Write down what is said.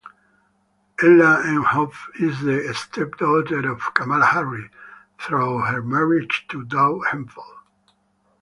Ella Emhoff is the stepdaughter of Kamala Harris through her marriage to Doug Emhoff.